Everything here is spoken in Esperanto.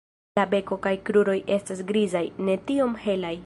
La beko kaj kruroj estas grizaj, ne tiom helaj.